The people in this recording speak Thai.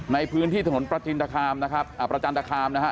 ในพื้นที่ถนนประจันทคาร์มนะครับอ่าประจันทคาร์มนะฮะ